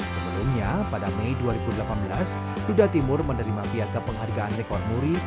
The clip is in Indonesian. sebelumnya pada mei dua ribu delapan belas duda timur menerima piaga penghargaan rekor muri